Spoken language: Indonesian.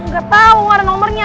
gatau gak ada nomernya